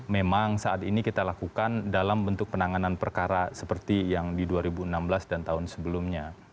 memang saat ini kita lakukan dalam bentuk penanganan perkara seperti yang di dua ribu enam belas dan tahun sebelumnya